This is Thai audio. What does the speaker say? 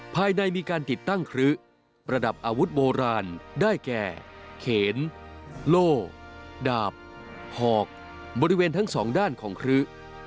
ภายในมีการติดตั้งครึประดับอาวุธโบราณได้แก่เขนโล่ดาบหอกบริเวณทั้งสองด้านของครึ